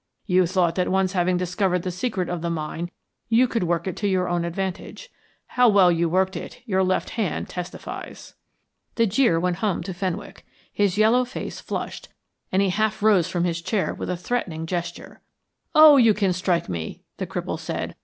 You thought that once having discovered the secret of the mine you could work it to your own advantage. How well you worked it your left hand testifies." The jeer went home to Fenwick, his yellow face flushed, and he half rose from his chair with a threatening gesture. "Oh, you can strike me," the cripple said.